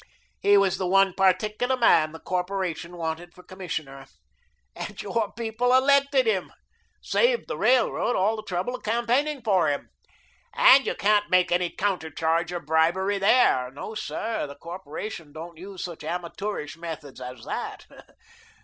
He was THE ONE PARTICULAR man the corporation wanted for commissioner. And your people elected him saved the Railroad all the trouble of campaigning for him. And you can't make any counter charge of bribery there. No, sir, the corporation don't use such amateurish methods as that.